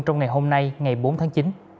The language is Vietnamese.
trong ngày hôm nay ngày bốn tháng chín